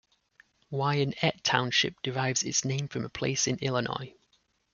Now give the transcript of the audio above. Wyanett Township derives its name from a place in Illinois.